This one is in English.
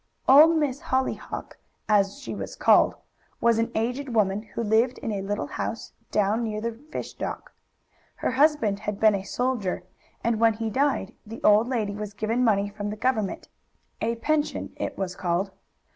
"Old Miss Hollyhock," as she was called, was an aged woman who lived in a little house down near the fish dock. Her husband had been a soldier, and when he died the old lady was given money from the government a pension, it was called.